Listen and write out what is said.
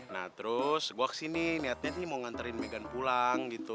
nah terus gue kesini niatnya nih mau nganterin megan pulang gitu